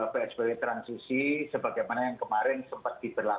psbb transisi sebagaimana yang kemarin sempat diberlakukan